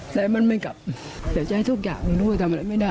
แต่มันไม่กลับแต่จะให้ทุกอย่างมันด้วยทำอะไรไม่ได้